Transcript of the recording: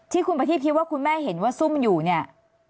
ที่คุณประทีพคิดว่าคุณแม่เห็นว่าซุ่มอยู่เนี่ย